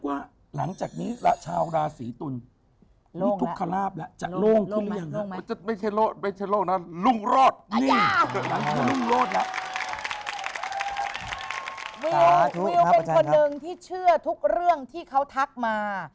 วิวเป็นคนหนึ่งที่เชื่อทุกเรื่องที่เขาทักมา